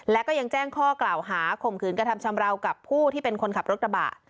และก็ยังแจ้งข้อกล่าวหาข่มขืนกระทำชำราวกับผู้ที่เป็นคนขับรถกระบะ